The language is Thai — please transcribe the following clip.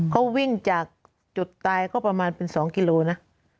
เขาวิ่งจากจุดตายก็ประมาณเป็น๒กิโลนะ